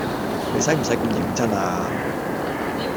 你洗唔洗咁認真啊？